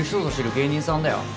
芸人さんだよ。